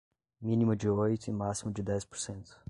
mínimo de oito e máximo de dez por cento